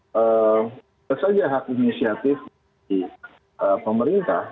tentu saja hak inisiatif dari pemerintah